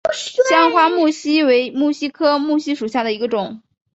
香花木犀为木犀科木犀属下的一个种。